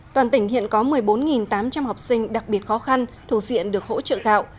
toàn tỉnh hiện có một mươi bốn tám trăm linh học sinh đặc biệt khó khăn thủ diện được hỗ trợ gạo